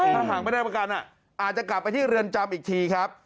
ถ้าหากไม่ได้ประกันอาจจะกลับไปที่เรือนจำอีกทีครับ